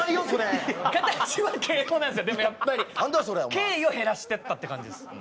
敬意を減らしてったって感じです。